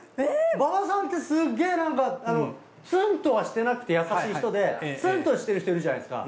馬場さんってすっげぇなんかツンとはしてなくて優しい人でツンとしてる人いるじゃないですか。